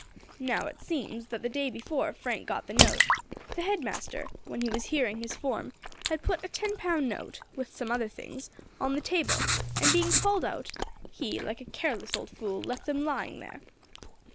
Now it seems that the day before Frank got the note, the head master, when he was hearing his form, had put a ten pound note, with some other things, on the table, and being called out, he, like a careless old fool, left them lying there.